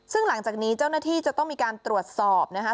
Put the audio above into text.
ซึ่งหลังจากนี้เจ้าหน้าที่จะต้องมีการตรวจสอบนะคะ